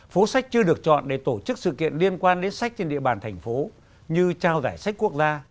phố sách chưa được chọn để tổ chức sự kiện liên quan đến sách trên địa bàn thành phố như trao giải sách quốc gia